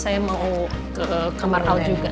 saya mau ke kamar laut juga